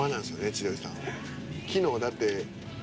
千鳥さん。